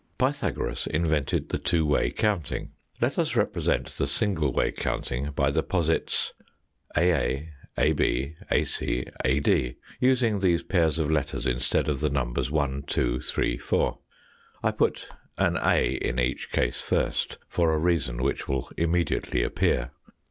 Pythagoras invented the two way counting. Let us represent the single way counting by the posits aa, ab, ac, ad, using these pairs of letters instead of the numbers 1, 2, 3, 4. I put an a in each case first for a reason which will immediately appear.